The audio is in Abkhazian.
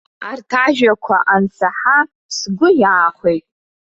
Арҭ ажәақәа ансаҳа, сгәы иаахәеит.